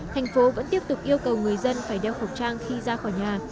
thành phố vẫn tiếp tục yêu cầu người dân phải đeo khẩu trang khi ra khỏi nhà